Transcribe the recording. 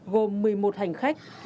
gồm một mươi một hành khách